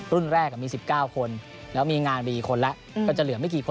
แรกมี๑๙คนแล้วมีงานไปกี่คนแล้วก็จะเหลือไม่กี่คน